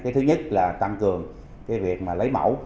thứ nhất là tăng cường việc lấy mổ